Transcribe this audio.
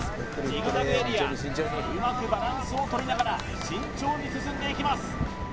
ジグザグエリアうまくバランスをとりながら慎重に進んでいきます